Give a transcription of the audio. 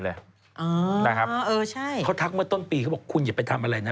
นะครับเขาทักเมื่อต้นปีเขาบอกคุณอย่าไปทำอะไรนะ